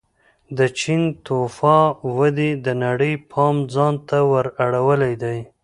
د چین توفا ودې د نړۍ پام ځان ته ور اړولی دی.